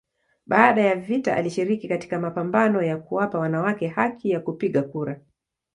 Baada ya vita alishiriki katika mapambano ya kuwapa wanawake haki ya kupiga kura.